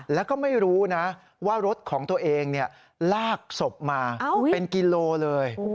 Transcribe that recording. แล้วก็ไม่รู้นะว่ารถของตัวเองลากศพมาเป็นกิโลเลย